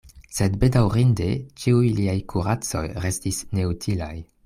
Sed bedaŭrinde ĉiuj liaj kuracoj restis neutilaj.